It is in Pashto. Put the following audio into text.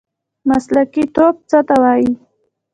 مسلکي توب څه ته وایي؟